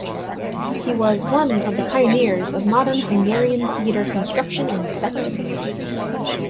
He was one of the pioneers of modern Hungarian theater construction and set design.